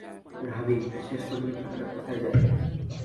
রাভি, শেষ পর্যন্ত টাকাটা কোথায় যায়?